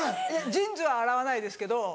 ジーンズは洗わないですけど。